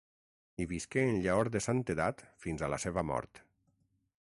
Hi visqué en llaor de santedat fins a la seva mort.